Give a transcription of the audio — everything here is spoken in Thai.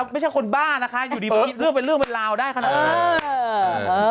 ไม่ใช่คนบ้านะคะอยู่ดีเรื่องเป็นเรื่องเป็นราวได้ขนาดนี้